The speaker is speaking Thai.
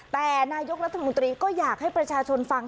แต่นายกรัฐมนตรีก็อยากให้ประชาชนฟัง